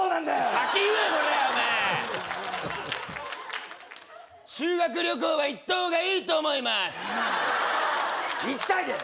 先言えコラお前修学旅行は行った方がいいと思います行きたいです